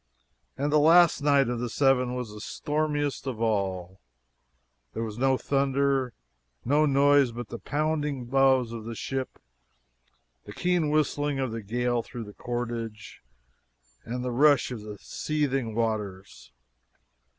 And the last night of the seven was the stormiest of all. There was no thunder, no noise but the pounding bows of the ship, the keen whistling of the gale through the cordage, and the rush of the seething waters.